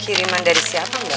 kiriman dari siapa mbak